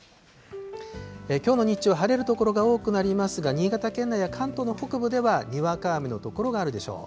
きょうの日中、晴れる所が多くなりますが、新潟県内や関東の北部ではにわか雨の所があるでしょう。